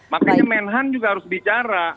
makanya menhan juga harus bicara